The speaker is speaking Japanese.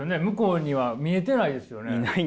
向こうには見えてないですよね？